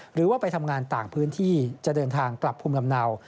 หรือว่าไปทำงานต่างพื้นที่จะเดินทางกลับภูมิลำเนา